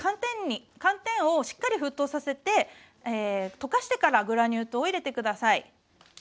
寒天をしっかり沸騰させて溶かしてからグラニュー糖を入れて下さい。